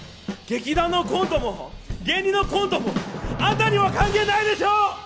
劇団のコントも芸人のコントもあんたには関係ないでしょ！